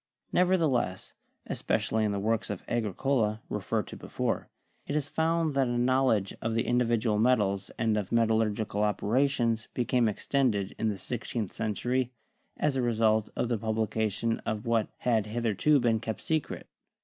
Nev ertheless, especially in the works of Agricola, referred to before, it is found that a knowledge of the individual metals and of metallurgical operations became extended in the sixteenth century, as a result of the publication of what had hitherto been kept secret.